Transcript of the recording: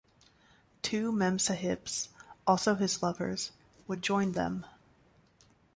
Two "memsahibs", also his lovers, would join them".